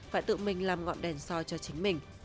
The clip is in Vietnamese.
phải tự mình làm ngọn đèn soi cho chính mình